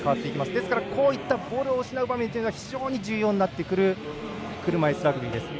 ですから、こういったボールを失う場面というのは非常に重要になってくる車いすラグビー。